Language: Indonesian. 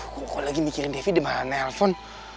kok lagi mikirin devi di malam nelpon